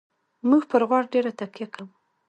موږ پر غوړ ډېره تکیه کوو.